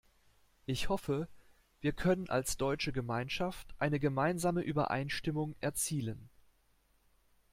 Ich hoffe, wir können als deutsche Gemeinschaft eine gemeinsame Übereinstimmung erzielen.